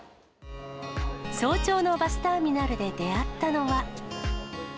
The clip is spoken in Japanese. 早朝のバスターミナルで出会ったのは。